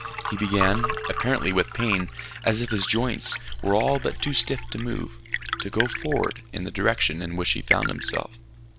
He began, apparently with pain, as if his joints were all but too stiff to move, to go forward in the direction in which he found himself.